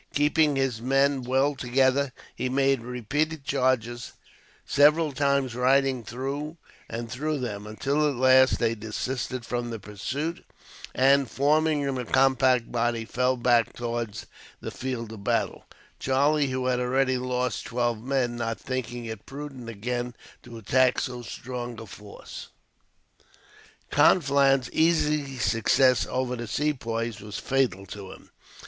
Keeping his men well together, he made repeated charges, several times riding through and through them; until at last they desisted from the pursuit and, forming in a compact body, fell back towards the field of battle; Charlie, who had already lost twelve men, not thinking it prudent again to attack so strong a force. Conflans' easy success over the Sepoys was fatal to him.